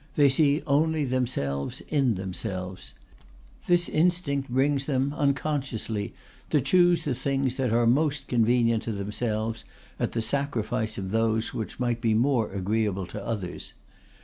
They see only themselves in themselves. This instinct brings them, unconsciously, to choose the things that are most convenient to themselves, at the sacrifice of those which might be more agreeable to others.